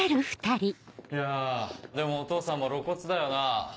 いやでもお父さんも露骨だよな。